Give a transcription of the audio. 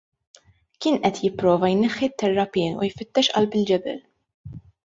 Kien qed jipprova jneħħi t-terrapien u jfittex qalb il-ġebel.